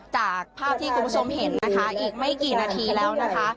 จากภาพที่คุณผู้ชมเห็นนะคะอีกไม่กี่นาทีแล้วนะคะ